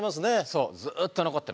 そうずっと残ってます。